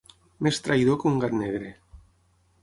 Més traïdor que un gat negre.